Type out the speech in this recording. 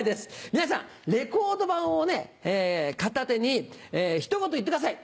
皆さんレコード盤を片手にひと言言ってください。